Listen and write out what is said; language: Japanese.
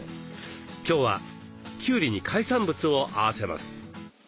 今日はきゅうりに海産物を合わせます。